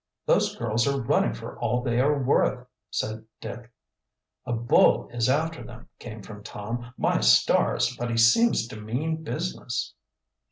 "Those girls are running for all they are worth!" said Dick. "A bull is after them!" came from Tom. "My stars! but he seems to mean business!"